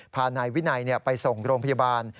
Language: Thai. พานายวินัยไปส่งโรงพยาบาล